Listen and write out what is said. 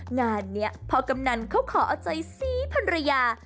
งานนี้พ่อกำนันเขาขอเอาใจสีพันรยา